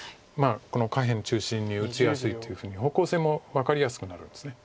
下辺中心に打ちやすいというふうに方向性も分かりやすくなるんです。